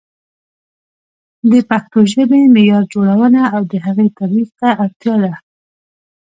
د پښتو ژبې معیار جوړونه او د هغې ترویج ته اړتیا ده.